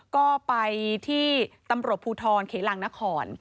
ก็ไปที่ตำรวจภูทรเขลังนคร